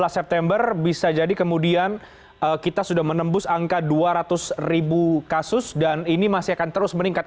dua belas september bisa jadi kemudian kita sudah menembus angka dua ratus ribu kasus dan ini masih akan terus meningkat